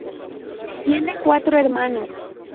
Tiene cuatro hermanos.